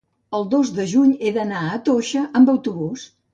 El dos de juny he d'anar a Toixa amb autobús.